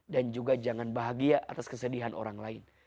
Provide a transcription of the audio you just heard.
juga jangan bahagia atas kesedihan orang lain